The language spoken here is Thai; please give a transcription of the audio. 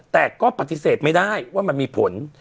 แต่ก็ปฏิเสธไม่ได้ว่ามันมีผล